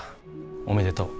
おめでとう。